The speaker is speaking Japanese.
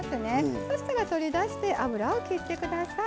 そしたら取り出して油を切ってください。